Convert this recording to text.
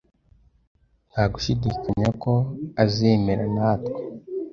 Nta gushidikanya ko azemera natwe.